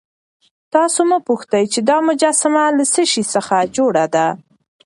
تاسو مه پوښتئ چې دا مجسمه له څه شي څخه جوړه ده.